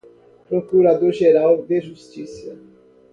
procurador-geral de justiça